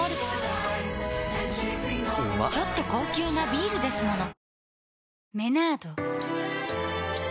ちょっと高級なビールですもの